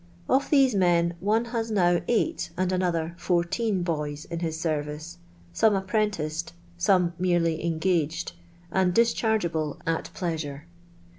Of tliese men, one has now eight and another fourteen boys in his r^ervice, some apprenticed, some merely " engaged" and di*chaigealile at pleasure.